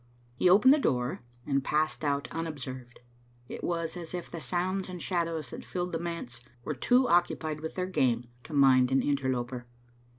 He opened the door and passed out unob served ; it was as if the sounds and shadows that filled the manse were too occupied with their game to mind an interloper.